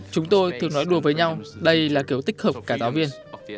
chúng tôi thường nói đùa với nhau đây là kiểu tích hợp cả giáo viên